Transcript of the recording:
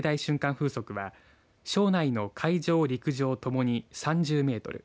風速は庄内の海上、陸上ともに３０メートル。